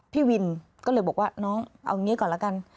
พี่วินก็เลยบอกว่าน้องเอาอย่างนี้ก่อนแล้วกัน